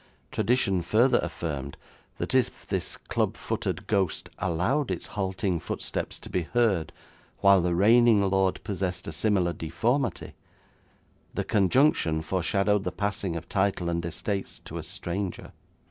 Tradition further affirmed that if this club footed ghost allowed its halting footsteps to be heard while the reigning lord possessed a similar deformity, the conjunction foreshadowed the passing of title and estates to a stranger.